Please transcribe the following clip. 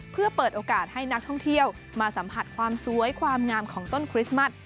เพื่อเปิดโอกาสให้นักท่องเที่ยวมาสัมผัสความสวยความงามของต้นคริสต์มัส